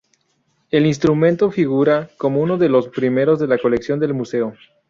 El instrumento figura como uno de los primeros de la colección del Museo.